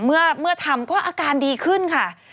เมื่อทำก็อาการดีขึ้นค่ะ